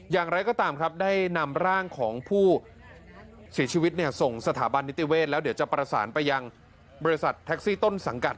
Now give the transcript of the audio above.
อย่างไรก็ตามครับได้นำร่างของผู้เสียชีวิตส่งสถาบันนิติเวศแล้วเดี๋ยวจะประสานไปยังบริษัทแท็กซี่ต้นสังกัด